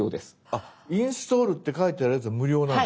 あっ「インストール」って書いてあるやつは無料なんですね。